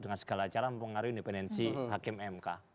dengan segala cara mempengaruhi independensi hakim mk